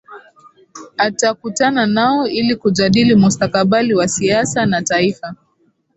Atakutana nao ili kujadili mustakabali wa siasa na Taifa